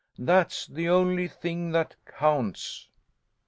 That's the only thing that counts."